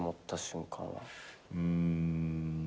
うん。